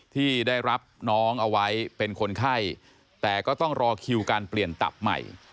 ที่ได้รับน้องเอาไว้เป็นคนไข้แต่ก็ต้องรอคิวการเปลี่ยนตับใหม่